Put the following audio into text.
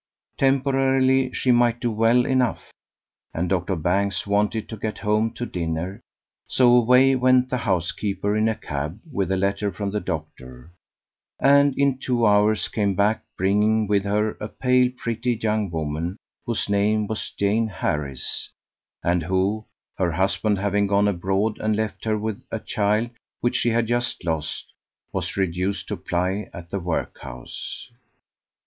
Temporarily she might do well enough, and Doctor Banks wanted to get home to dinner; so away went the housekeeper in a cab with a letter from the doctor, and in two hours came back bringing with her a pale pretty young woman whose name was Jane Harris, and who, her husband having gone abroad and left her with a child which she had just lost, was reduced to apply at the workhouse.